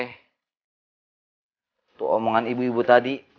untuk omongan ibu ibu tadi